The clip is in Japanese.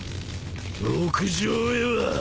屋上へは。